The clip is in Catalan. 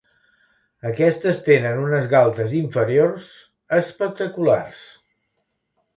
Aquestes tenen unes galtes inferiors espectaculars.